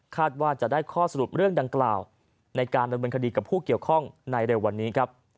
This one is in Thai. ว่าจะได้ข้อสรุปเรื่องดังกล่าวในการดำเนินคดีกับผู้เกี่ยวข้องในเร็ววันนี้ครับ